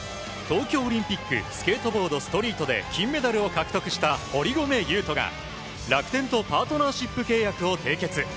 東京オリンピックスケートボード・ストリートで金メダルを獲得した堀米雄斗が楽天とパートナーシップ契約を締結。